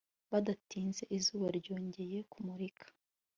bidatinze, izuba ryongeye kumurika